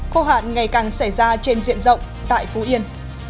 khó khăn ngày càng xảy ra trên diện rộng tại phú yên